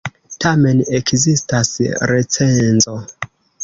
Tamen ekzistas recenzo!